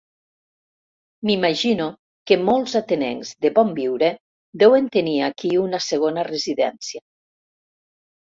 M'imagino que molts atenencs de bon viure deuen tenir aquí una segona residència.